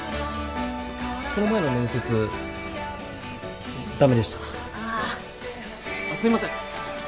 この前の面接ダメでしたあああっすいません